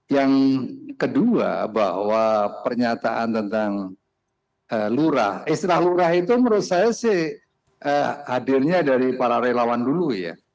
yang kedua bahwa pernyataan tentang lurah istilah lurah itu menurut saya sih hadirnya dari para relawan dulu ya